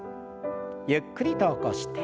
ゆっくりと起こして。